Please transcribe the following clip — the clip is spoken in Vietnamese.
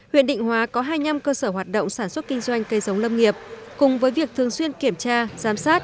huyện định hóa có hai năm cơ sở hoạt động sản xuất kinh doanh cây giống